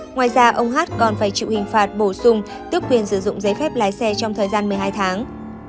ngoài ra ông hát còn phải chịu hình phạt bổ sung tước quyền sử dụng giấy phép lái xe trong thời gian một mươi hai tháng